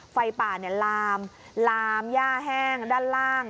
ไฟป่าลามลามย่าแห้งด้านล่าง